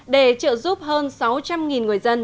để trợ giúp hơn sáu trăm linh người dân